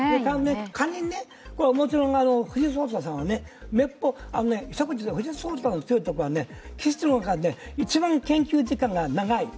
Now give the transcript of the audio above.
仮に、もちろん藤井聡太さんはめっぽう、藤井聡太の強いところは棋士の中で一番研究時間が長い。